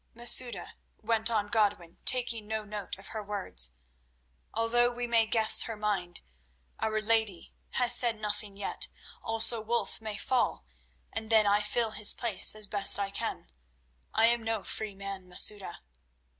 "Masouda," went on Godwin, taking no note of her words, "although we may guess her mind, our lady has said nothing yet. Also Wulf may fall, and then I fill his place as best I can. I am no free man, Masouda."